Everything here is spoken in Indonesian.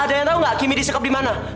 ada yang tau gak kimi disekep di mana